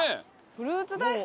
フルーツ大福？